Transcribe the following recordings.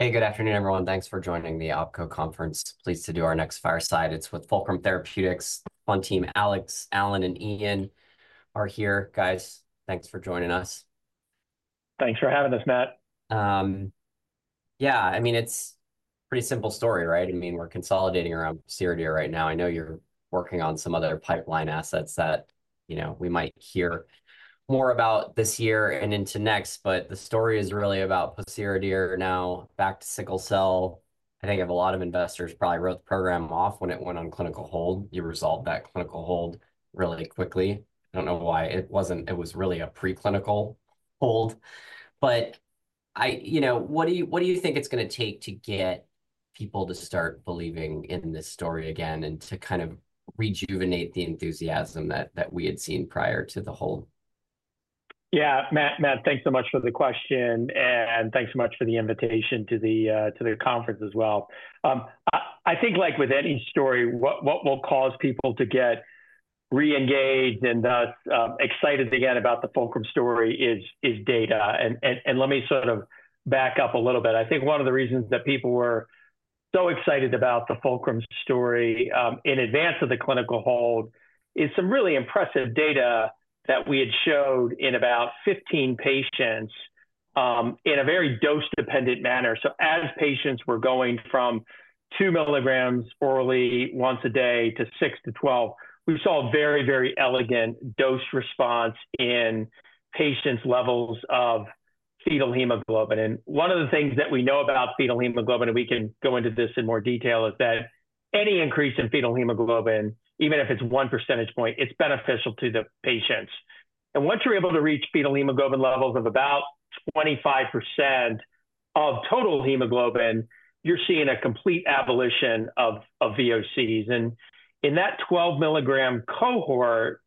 Hey, good afternoon, everyone. Thanks for joining the Oppenheimer & Co conference. Pleased to do our next fireside. It's with Fulcrum Therapeutics. Fun team, Alex, Alan, and Iain are here. Guys, thanks for joining us. Thanks for having us, Matt. Yeah, I mean, it's a pretty simple story, right? I mean, we're consolidating around pociredir right now. I know you're working on some other pipeline assets that, you know, we might hear more about this year and into next, but the story is really about pociredir. Now, back to sickle cell, I think a lot of investors probably wrote the program off when it went on clinical hold. You resolved that clinical hold really quickly. I don't know why it wasn't. It was really a preclinical hold. But I, you know, what do you think it's going to take to get people to start believing in this story again and to kind of rejuvenate the enthusiasm that we had seen prior to the hold? Yeah, Matt, thanks so much for the question, and thanks so much for the invitation to the conference as well. I think, like with any story, what will cause people to get re-engaged and thus excited again about the Fulcrum story is data. And let me sort of back up a little bit. I think one of the reasons that people were so excited about the Fulcrum story in advance of the clinical hold is some really impressive data that we had showed in about 15 patients in a very dose-dependent manner. So, as patients were going from 2 mg orally once a day to six to 12, we saw a very, very elegant dose response in patients' levels of fetal hemoglobin. One of the things that we know about fetal hemoglobin, and we can go into this in more detail, is that any increase in fetal hemoglobin, even if it's one percentage point, it's beneficial to the patients. Once you're able to reach fetal hemoglobin levels of about 25% of total hemoglobin, you're seeing a complete abolition of VOCs. In that 12 mg cohort,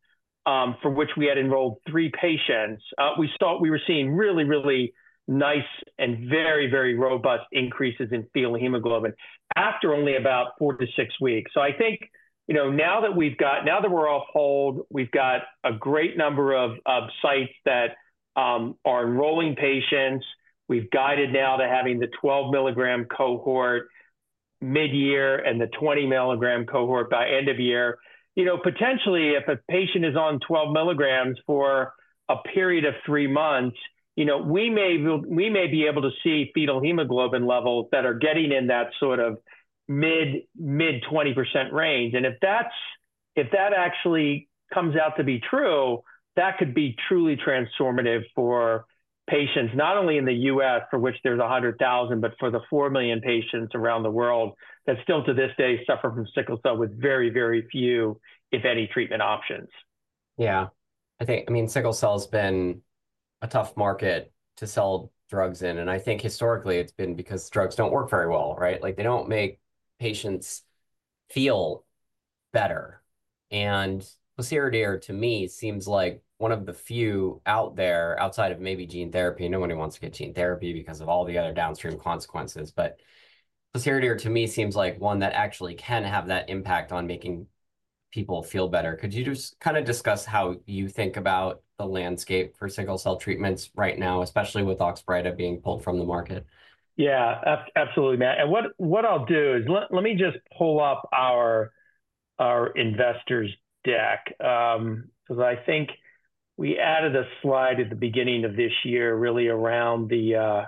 for which we had enrolled three patients, we were seeing really, really nice and very, very robust increases in fetal hemoglobin after only about four to six weeks. I think, you know, now that we're off hold, we've got a great number of sites that are enrolling patients. We've guided now to having the 12 mg cohort mid-year and the 20 mg cohort by end of year. You know, potentially, if a patient is on 12 mg for a period of three months, you know, we may be able to see fetal hemoglobin levels that are getting in that sort of mid-20% range. And if that actually comes out to be true, that could be truly transformative for patients, not only in the U.S., for which there's 100,000, but for the 4 million patients around the world that still to this day suffer from sickle cell with very, very few, if any, treatment options. Yeah. I think, I mean, sickle cell has been a tough market to sell drugs in. And I think historically it's been because drugs don't work very well, right? Like, they don't make patients feel better. And pociredir, to me, seems like one of the few out there, outside of maybe gene therapy. No one wants to get gene therapy because of all the other downstream consequences. But pociredir, to me, seems like one that actually can have that impact on making people feel better. Could you just kind of discuss how you think about the landscape for sickle cell treatments right now, especially with Oxbryta being pulled from the market? Yeah, absolutely, Matt. And what I'll do is let me just pull up our investors' deck, because I think we added a slide at the beginning of this year really around the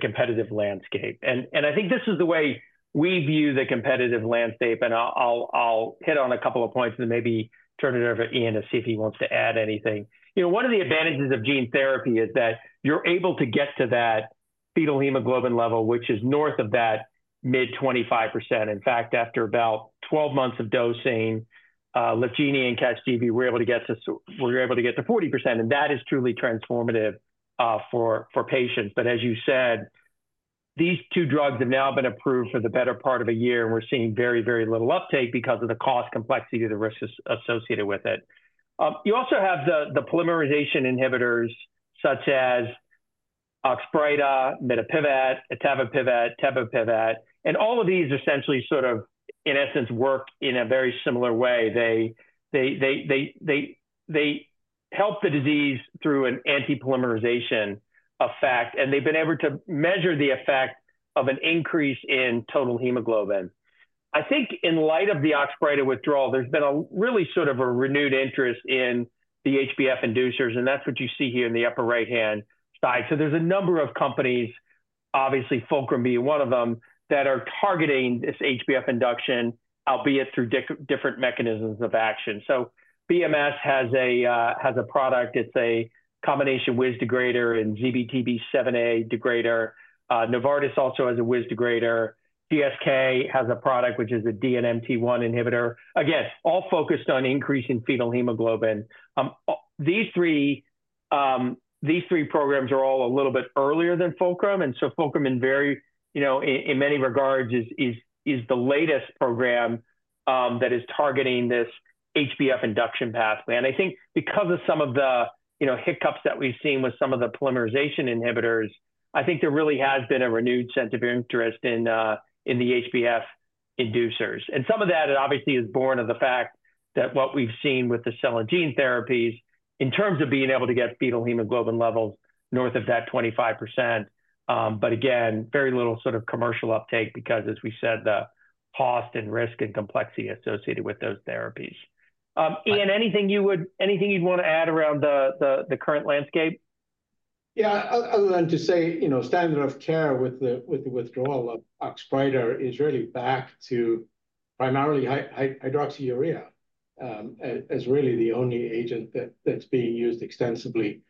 competitive landscape. And I think this is the way we view the competitive landscape. And I'll hit on a couple of points and maybe turn it over to Iain to see if he wants to add anything. You know, one of the advantages of gene therapy is that you're able to get to that fetal hemoglobin level, which is north of that mid-25%. In fact, after about 12 months of dosing, Lyfgenia and Casgevy, we're able to get to 40%. And that is truly transformative for patients. But as you said, these two drugs have now been approved for the better part of a year, and we're seeing very, very little uptake because of the cost, complexity, of the risks associated with it. You also have the polymerization inhibitors such as Oxbryta, mitapivat, etavopivat, temopivat, and all of these essentially sort of, in essence, work in a very similar way. They help the disease through an anti-polymerization effect, and they've been able to measure the effect of an increase in total hemoglobin. I think in light of the Oxbryta withdrawal, there's been a really sort of a renewed interest in the HbF inducers, and that's what you see here in the upper right-hand side, so there's a number of companies, obviously Fulcrum being one of them, that are targeting this HbF induction, albeit through different mechanisms of action, so BMS has a product. It's a combination WIZ degrader and ZBTB7A degrader. Novartis also has a WIZ degrader. GSK has a product, which is a DNMT1 inhibitor. Again, all focused on increasing fetal hemoglobin. These three programs are all a little bit earlier than Fulcrum. And so, Fulcrum in very, you know, in many regards, is the latest program that is targeting this HbF induction pathway. And I think because of some of the, you know, hiccups that we've seen with some of the polymerization inhibitors, I think there really has been a renewed sense of interest in the HbF inducers. And some of that obviously is born of the fact that what we've seen with the cell and gene therapies, in terms of being able to get fetal hemoglobin levels north of that 25%. But again, very little sort of commercial uptake because, as we said, the cost and risk and complexity associated with those therapies. Iain, anything you'd want to add around the current landscape? Yeah, other than to say, you know, standard of care with the withdrawal of Oxbryta is really back to primarily hydroxyurea as really the only agent that's being used extensively.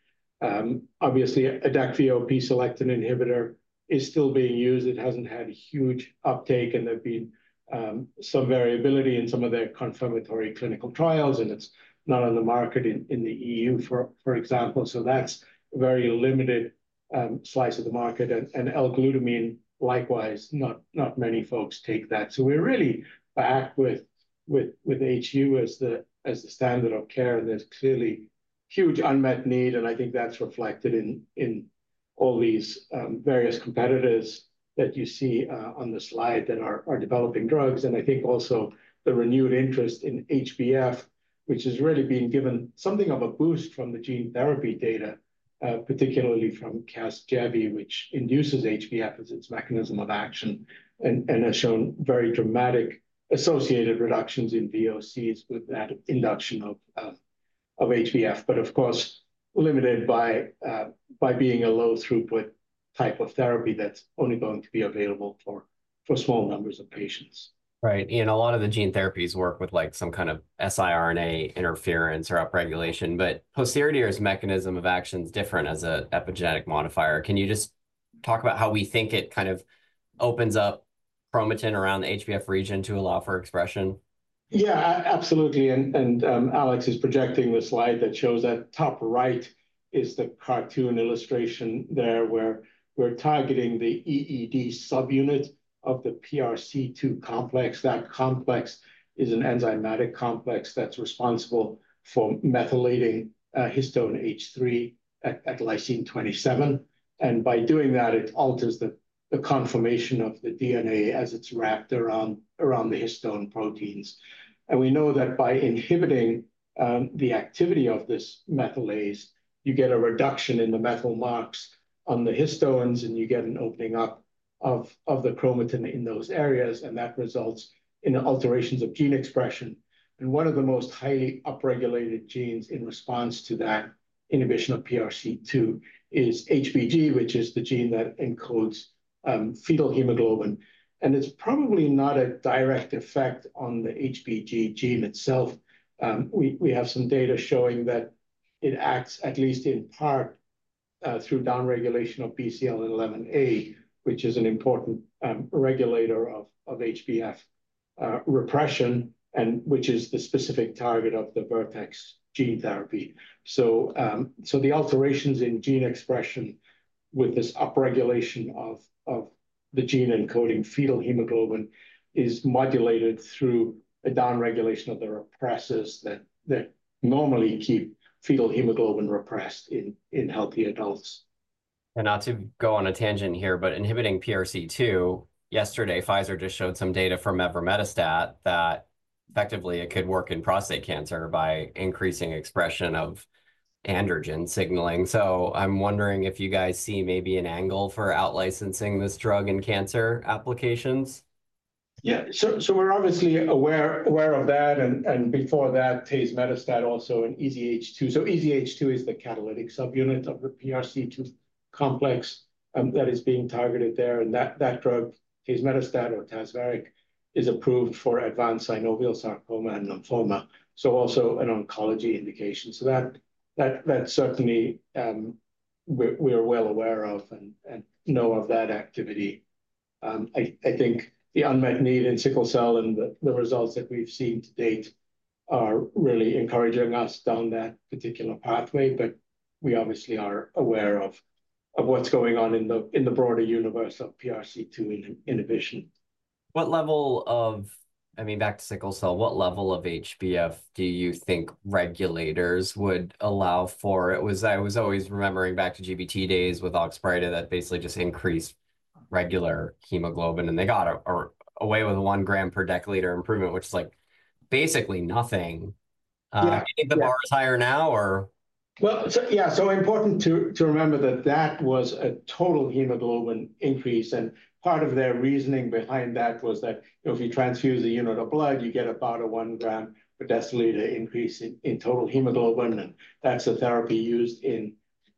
Obviously, Adakveo P-selectin inhibitor is still being used. It hasn't had huge uptake, and there've been some variability in some of their confirmatory clinical trials, and it's not on the market in the EU, for example. So, that's a very limited slice of the market. And L-Glutamine, likewise, not many folks take that. So, we're really back with HU as the standard of care. And there's clearly huge unmet need. And I think that's reflected in all these various competitors that you see on the slide that are developing drugs. I think also the renewed interest in HbF, which has really been given something of a boost from the gene therapy data, particularly from Casgevy, which induces HbF as its mechanism of action and has shown very dramatic associated reductions in VOCs with that induction of HbF, but of course limited by being a low throughput type of therapy that's only going to be available for small numbers of patients. Right, and a lot of the gene therapies work with like some kind of siRNA interference or upregulation, but pociredir's mechanism of action is different as an epigenetic modifier. Can you just talk about how we think it kind of opens up chromatin around the HbF region to allow for expression? Yeah, absolutely. And Alex is projecting the slide that shows that top right is the cartoon illustration there where we're targeting the EED subunit of the PRC2 complex. That complex is an enzymatic complex that's responsible for methylating histone H3 at lysine 27. And by doing that, it alters the conformation of the DNA as it's wrapped around the histone proteins. And we know that by inhibiting the activity of this methylase, you get a reduction in the methyl marks on the histones, and you get an opening up of the chromatin in those areas. And that results in alterations of gene expression. And one of the most highly upregulated genes in response to that inhibition of PRC2 is HBG, which is the gene that encodes fetal hemoglobin. And it's probably not a direct effect on the HBG gene itself. We have some data showing that it acts at least in part through downregulation of BCL11A, which is an important regulator of HbF repression, and which is the specific target of the Vertex gene therapy. So, the alterations in gene expression with this upregulation of the gene encoding fetal hemoglobin is modulated through a downregulation of the repressors that normally keep fetal hemoglobin repressed in healthy adults. Not to go on a tangent here, but inhibiting PRC2, yesterday, Pfizer just showed some data from mevrometostat that effectively it could work in prostate cancer by increasing expression of androgen signaling. I'm wondering if you guys see maybe an angle for outlicensing this drug in cancer applications. Yeah. So, we're obviously aware of that. And before that, tazemetostat also in EZH2. So, EZH2 is the catalytic subunit of the PRC2 complex that is being targeted there. And that drug, tazemetostat or Tazverik, is approved for advanced synovial sarcoma and lymphoma. So, also an oncology indication. So, that certainly we're well aware of and know of that activity. I think the unmet need in sickle cell and the results that we've seen to date are really encouraging us down that particular pathway. But we obviously are aware of what's going on in the broader universe of PRC2 inhibition. What level of, I mean, back to sickle cell, what level of HbF do you think regulators would allow for? I was always remembering back to GBT days with Oxbryta that basically just increased regular hemoglobin, and they got away with a 1 g/dL improvement, which is like basically nothing. Yeah. Any of the bars higher now or? Well, yeah. So, important to remember that that was a total hemoglobin increase. And part of their reasoning behind that was that if you transfuse a unit of blood, you get about a 1 g/dL increase in total hemoglobin. And that's a therapy used in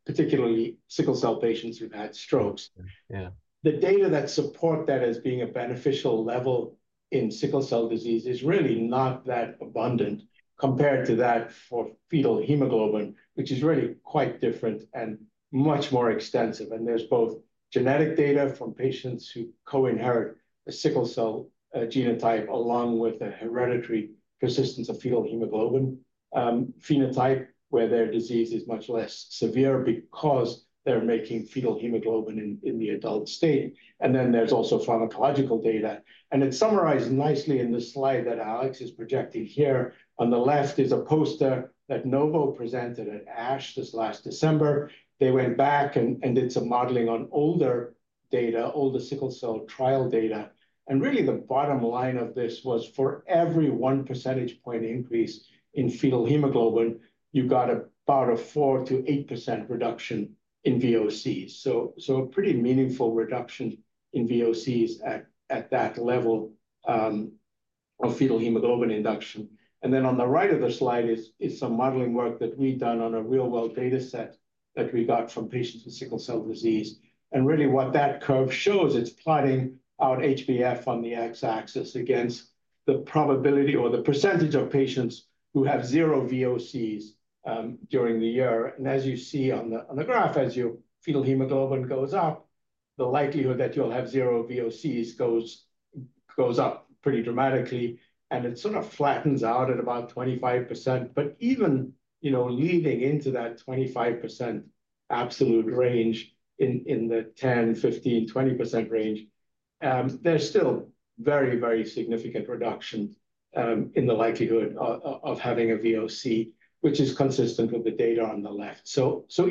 particularly sickle cell patients who've had strokes. Yeah. The data that support that as being a beneficial level in sickle cell disease is really not that abundant compared to that for fetal hemoglobin, which is really quite different and much more extensive, and there's both genetic data from patients who co-inherit a sickle cell genotype along with a hereditary persistence of fetal hemoglobin phenotype, where their disease is much less severe because they're making fetal hemoglobin in the adult state, and then there's also pharmacological data, and it's summarized nicely in this slide that Alex is projecting here. On the left is a poster that Novo presented at ASH this last December. They went back and did some modeling on older data, older sickle cell trial data, and really the bottom line of this was for every one percentage point increase in fetal hemoglobin, you got about a 4%-8% reduction in VOCs. A pretty meaningful reduction in VOCs at that level of fetal hemoglobin induction. On the right of the slide is some modeling work that we've done on a real-world data set that we got from patients with sickle cell disease. Really what that curve shows, it's plotting out HbF on the x-axis against the probability or the percentage of patients who have zero VOCs during the year. As you see on the graph, as your fetal hemoglobin goes up, the likelihood that you'll have zero VOCs goes up pretty dramatically. It sort of flattens out at about 25%. Even, you know, leading into that 25% absolute range in the 10%-20% range, there's still very, very significant reduction in the likelihood of having a VOC, which is consistent with the data on the left.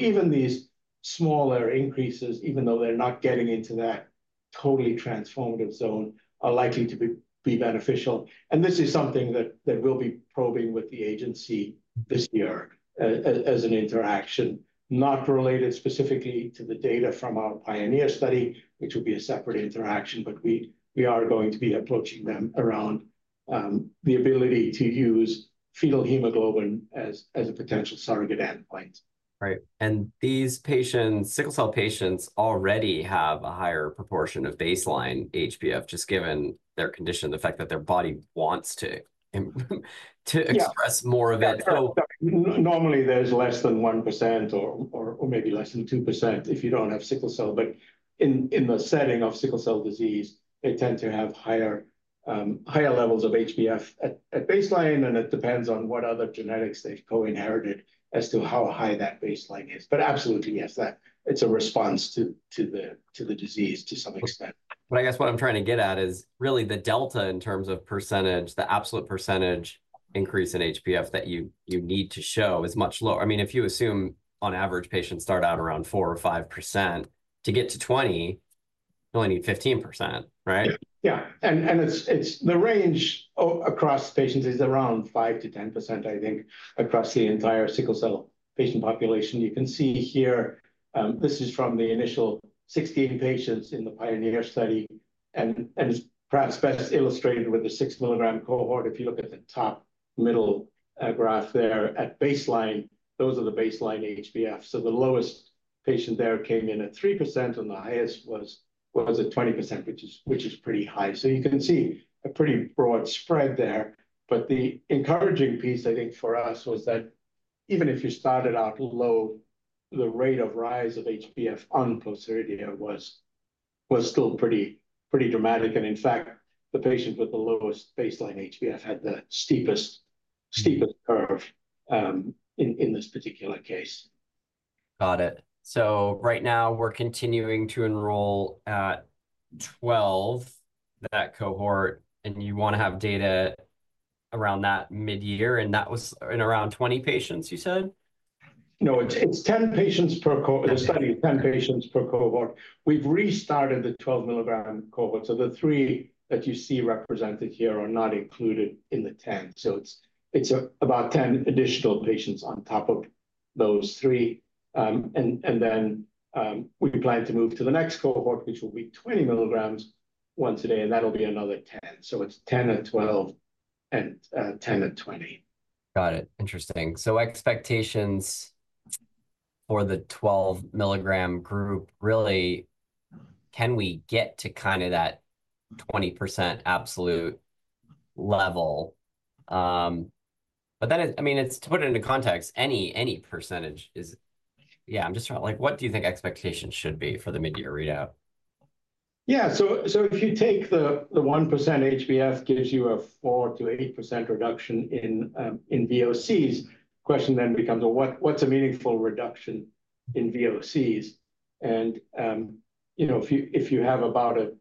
Even these smaller increases, even though they're not getting into that totally transformative zone, are likely to be beneficial. And this is something that we'll be probing with the agency this year as an interaction, not related specifically to the data from our PIONEER study, which will be a separate interaction, but we are going to be approaching them around the ability to use fetal hemoglobin as a potential surrogate endpoint. Right. And these patients, sickle cell patients, already have a higher proportion of baseline HbF, just given their condition, the fact that their body wants to express more of it. Normally, there's less than 1% or maybe less than 2% if you don't have sickle cell, but in the setting of sickle cell disease, they tend to have higher levels of HbF at baseline, and it depends on what other genetics they've co-inherited as to how high that baseline is, but absolutely, yes, it's a response to the disease to some extent. But I guess what I'm trying to get at is really the delta in terms of percentage, the absolute percentage increase in HbF that you need to show is much lower. I mean, if you assume on average patients start out around 4% or 5%, to get to 20%, you only need 15%, right? Yeah, and the range across patients is around 5%-10%, I think, across the entire sickle cell patient population. You can see here, this is from the initial 16 patients in the PIONEER study. And it's perhaps best illustrated with the 6 mg cohort. If you look at the top middle graph there at baseline, those are the baseline HbF. So the lowest patient there came in at 3%, and the highest was at 20%, which is pretty high. You can see a pretty broad spread there. But the encouraging piece, I think, for us was that even if you started out low, the rate of rise of HbF on pociredir was still pretty dramatic. And in fact, the patient with the lowest baseline HbF had the steepest curve in this particular case. Got it. So, right now, we're continuing to enroll at 12, that cohort. And you want to have data around that mid-year. And that was in around 20 patients, you said? No, it's 10 patients per study, 10 patients per cohort. We've restarted the 12 mg cohort, so the three that you see represented here are not included in the 10, so it's about 10 additional patients on top of those three, and then we plan to move to the next cohort, which will be 20 mg once a day, and that'll be another 10, so it's 10 at 12 and 10 at 20. Got it. Interesting. So, expectations for the 12 mg group, really, can we get to kind of that 20% absolute level? But then, I mean, to put it into context, any percentage is, yeah, I'm just trying to, like, what do you think expectations should be for the mid-year readout? Yeah. So, if you take the 1% HbF, it gives you a 4%-8% reduction in VOCs. The question then becomes, well, what's a meaningful reduction in VOCs? And if you have about a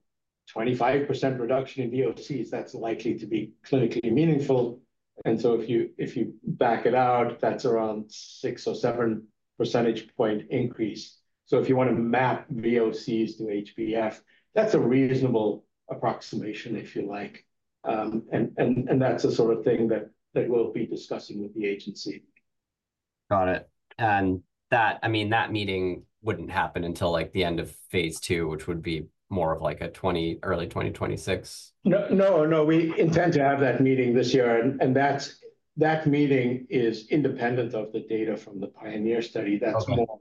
25% reduction in VOCs, that's likely to be clinically meaningful. And so, if you back it out, that's around 6% or 7% increase. So, if you want to map VOCs to HbF, that's a reasonable approximation, if you like. And that's the sort of thing that we'll be discussing with the agency. Got it. And that, I mean, that meeting wouldn't happen until like the end of phase II, which would be more of like a early 2026? No, no, no. We intend to have that meeting this year. That meeting is independent of the data from the PIONEER study. That's more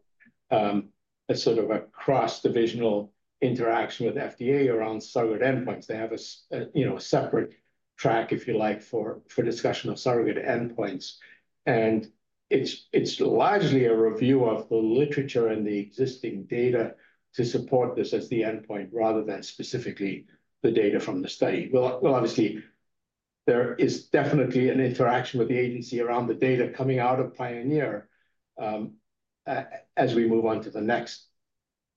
a sort of a cross-divisional interaction with FDA around surrogate endpoints. They have a separate track, if you like, for discussion of surrogate endpoints. It's largely a review of the literature and the existing data to support this as the endpoint rather than specifically the data from the study. Obviously, there is definitely an interaction with the agency around the data coming out of PIONEER as we move on to the next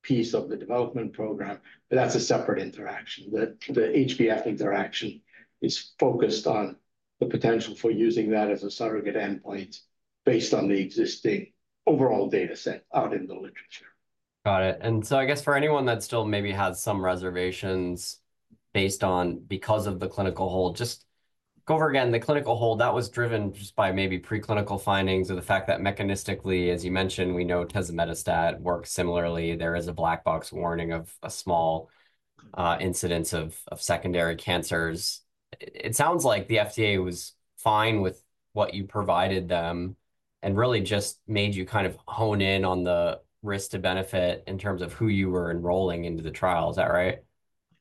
piece of the development program. But that's a separate interaction. The HbF interaction is focused on the potential for using that as a surrogate endpoint based on the existing overall data set out in the literature. Got it. And so, I guess for anyone that still maybe has some reservations based on because of the clinical hold, just go over again, the clinical hold, that was driven just by maybe preclinical findings or the fact that mechanistically, as you mentioned, we know tazemetostat works similarly. There is a black box warning of a small incidence of secondary cancers. It sounds like the FDA was fine with what you provided them and really just made you kind of hone in on the risk-to-benefit in terms of who you were enrolling into the trial. Is that right?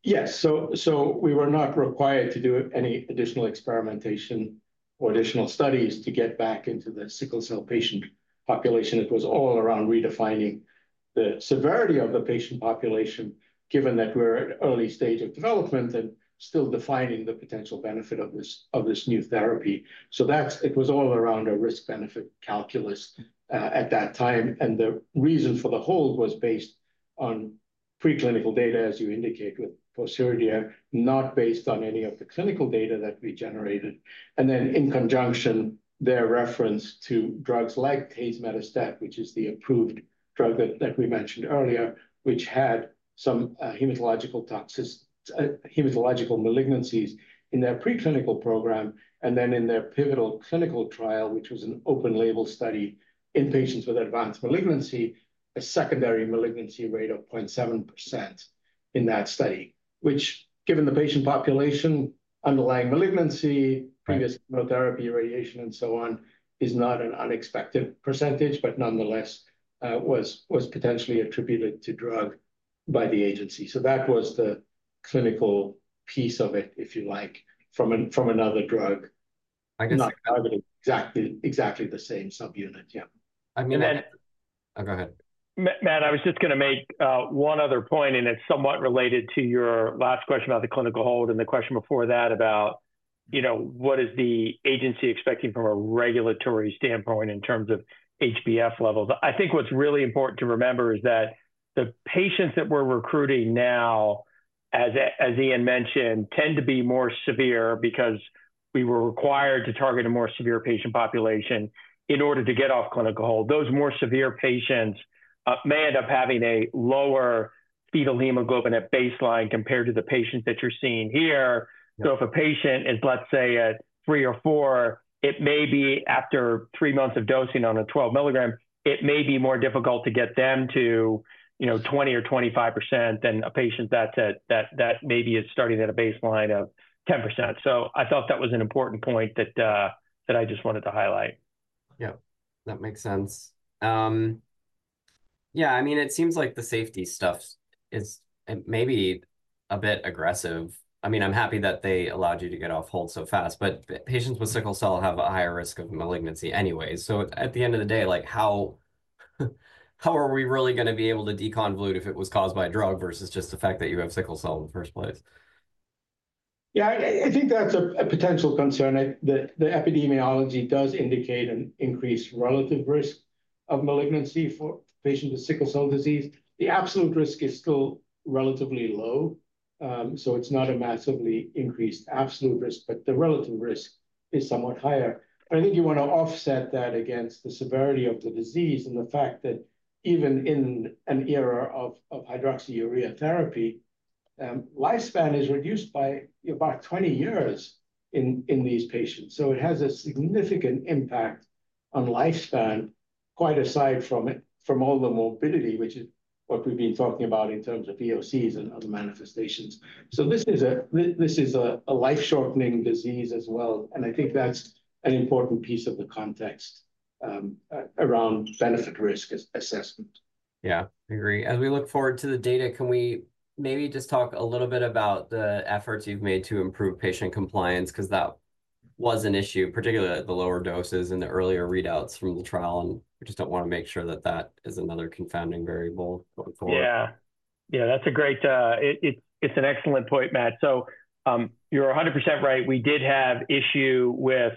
Yes. So, we were not required to do any additional experimentation or additional studies to get back into the sickle cell patient population. It was all around redefining the severity of the patient population, given that we're at an early stage of development and still defining the potential benefit of this new therapy. So, it was all around a risk-benefit calculus at that time. And the reason for the hold was based on preclinical data, as you indicate with pociredir, not based on any of the clinical data that we generated. And then, in conjunction, their reference to drugs like Tazverik, which is the approved drug that we mentioned earlier, which had some hematological malignancies in their preclinical program. And then, in their pivotal clinical trial, which was an open-label study in patients with advanced malignancy, a secondary malignancy rate of 0.7% in that study, which, given the patient population, underlying malignancy, previous chemotherapy, radiation, and so on, is not an unexpected percentage, but nonetheless was potentially attributed to drug by the agency. So, that was the clinical piece of it, if you like, from another drug. I guess. Not exactly the same subunit. Yeah. I mean. And then. Oh, go ahead. Matt, I was just going to make one other point, and it's somewhat related to your last question about the clinical hold and the question before that about, you know, what is the agency expecting from a regulatory standpoint in terms of HbF levels? I think what's really important to remember is that the patients that we're recruiting now, as Iain mentioned, tend to be more severe because we were required to target a more severe patient population in order to get off clinical hold. Those more severe patients may end up having a lower fetal hemoglobin at baseline compared to the patients that you're seeing here. So, if a patient is, let's say, at 3% or 4%, it may be after three months of dosing on a 12 mg, it may be more difficult to get them to 20% or 25% than a patient that maybe is starting at a baseline of 10%. So, I felt that was an important point that I just wanted to highlight. Yeah. That makes sense. Yeah. I mean, it seems like the safety stuff is maybe a bit aggressive. I mean, I'm happy that they allowed you to get off hold so fast. But patients with sickle cell have a higher risk of malignancy anyway. So, at the end of the day, how are we really going to be able to deconvolute if it was caused by a drug versus just the fact that you have sickle cell in the first place? Yeah. I think that's a potential concern. The epidemiology does indicate an increased relative risk of malignancy for patients with sickle cell disease. The absolute risk is still relatively low, so it's not a massively increased absolute risk, but the relative risk is somewhat higher, but I think you want to offset that against the severity of the disease and the fact that even in an era of hydroxyurea therapy, lifespan is reduced by about 20 years in these patients. So, it has a significant impact on lifespan, quite aside from all the morbidity, which is what we've been talking about in terms of VOCs and other manifestations. So, this is a life-shortening disease as well, and I think that's an important piece of the context around benefit-risk assessment. Yeah. I agree. As we look forward to the data, can we maybe just talk a little bit about the efforts you've made to improve patient compliance? Because that was an issue, particularly at the lower doses and the earlier readouts from the trial, and we just don't want to make sure that that is another confounding variable going forward. Yeah. Yeah. That's a great, it's an excellent point, Matt. So, you're 100% right. We did have issue with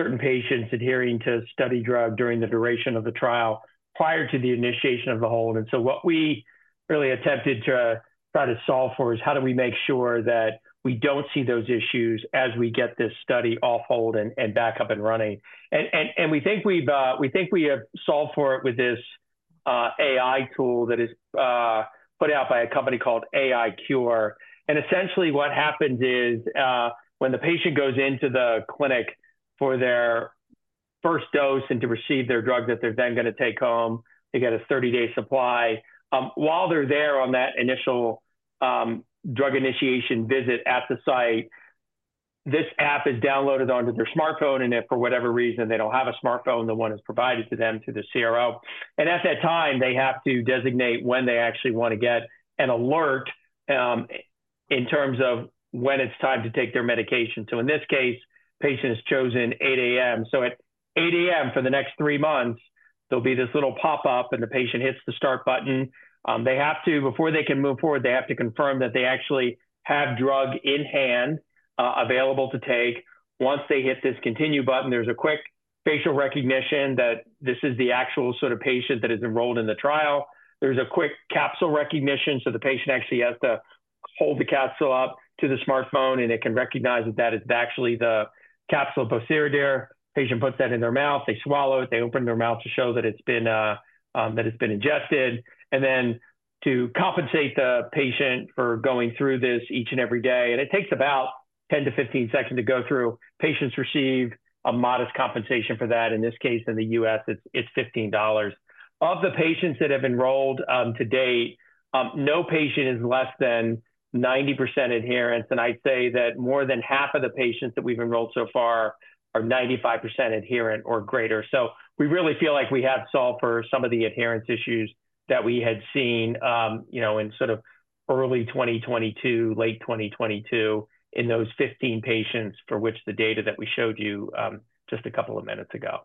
certain patients adhering to study drug during the duration of the trial prior to the initiation of the hold. And so, what we really attempted to try to solve for is how do we make sure that we don't see those issues as we get this study off hold and back up and running. And we think we have solved for it with this AI tool that is put out by a company called AiCure. And essentially, what happens is when the patient goes into the clinic for their first dose and to receive their drug that they're then going to take home, they get a 30-day supply. While they're there on that initial drug initiation visit at the site, this app is downloaded onto their smartphone. And if for whatever reason they don't have a smartphone, the one is provided to them through the CRO. And at that time, they have to designate when they actually want to get an alert in terms of when it's time to take their medication. So, in this case, the patient has chosen 8:00 A.M. So, at 8:00 A.M. for the next three months, there'll be this little pop-up, and the patient hits the start button. They have to, before they can move forward, they have to confirm that they actually have drug in hand available to take. Once they hit this continue button, there's a quick facial recognition that this is the actual sort of patient that is enrolled in the trial. There's a quick capsule recognition. The patient actually has to hold the capsule up to the smartphone, and it can recognize that that is actually the capsule of pociredir. The patient puts that in their mouth. They swallow it. They open their mouth to show that it's been ingested. Then, to compensate the patient for going through this each and every day, and it takes about 10-15 seconds to go through, patients receive a modest compensation for that. In this case, in the U.S., it's $15. Of the patients that have enrolled to date, no patient is less than 90% adherence. And I'd say that more than half of the patients that we've enrolled so far are 95% adherent or greater. So, we really feel like we have solved for some of the adherence issues that we had seen in sort of early 2022, late 2022, in those 15 patients for which the data that we showed you just a couple of minutes ago.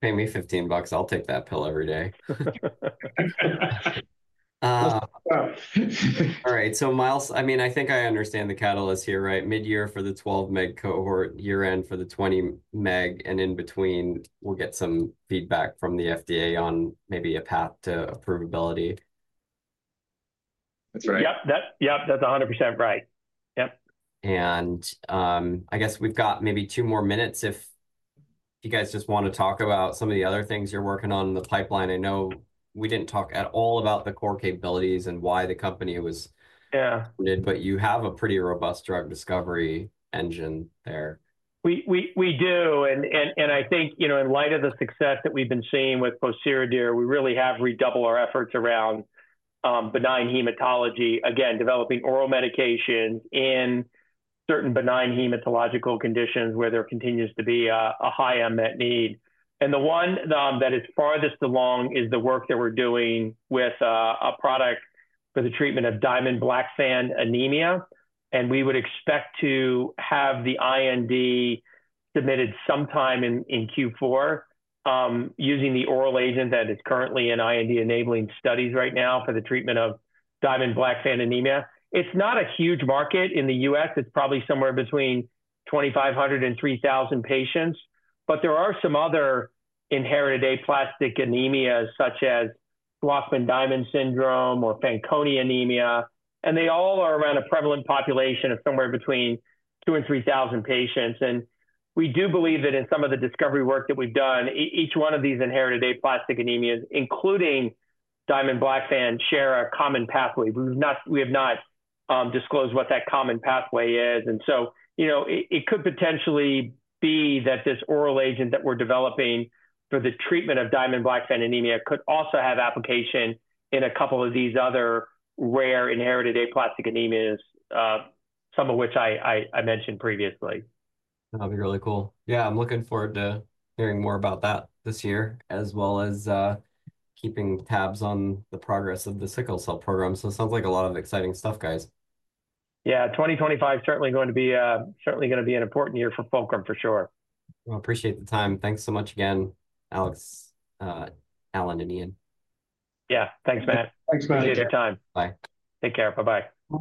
Pay me $15. I'll take that pill every day. All right. So, Alex, I mean, I think I understand the catalyst here, right? Mid-year for the 12 mg cohort, year-end for the 20 mg, and in between, we'll get some feedback from the FDA on maybe a path to approvability. That's right. Yep. Yep. That's 100% right. Yep. And I guess we've got maybe two more minutes if you guys just want to talk about some of the other things you're working on in the pipeline. I know we didn't talk at all about the core capabilities and why the company was funded, but you have a pretty robust drug discovery engine there. We do. And I think, you know, in light of the success that we've been seeing with pociredir, we really have redoubled our efforts around benign hematology, again, developing oral medications in certain benign hematological conditions where there continues to be a high unmet need. And the one that is farthest along is the work that we're doing with a product for the treatment of Diamond-Blackfan anemia. And we would expect to have the IND submitted sometime in Q4 using the oral agent that is currently in IND-enabling studies right now for the treatment of Diamond-Blackfan anemia. It's not a huge market in the US. It's probably somewhere between 2,500-3,000 patients. But there are some other inherited aplastic anemias, such as Shwachman-Diamond syndrome or Fanconi anemia. And they all are around a prevalent population of somewhere between 2,000-3,000 patients. We do believe that in some of the discovery work that we've done, each one of these inherited aplastic anemias, including Diamond-Blackfan, share a common pathway. We have not disclosed what that common pathway is. So, you know, it could potentially be that this oral agent that we're developing for the treatment of Diamond-Blackfan anemia could also have application in a couple of these other rare inherited aplastic anemias, some of which I mentioned previously. That'd be really cool. Yeah. I'm looking forward to hearing more about that this year, as well as keeping tabs on the progress of the sickle cell program. So, it sounds like a lot of exciting stuff, guys. Yeah. 2025 is certainly going to be an important year for Fulcrum, for sure. Appreciate the time. Thanks so much again, Alex, Alan, and Iain. Yeah. Thanks, Matt. Thanks, Matt. Appreciate your time. Bye. Take care. Bye-bye.